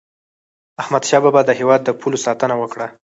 احمد شاه بابا د هیواد د پولو ساتنه وکړه.